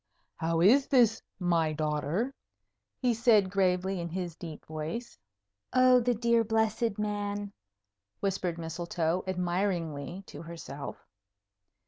"How is this, my daughter?" he said gravely, in his deep voice. "Oh, the dear blessed man!" whispered Mistletoe, admiringly, to herself.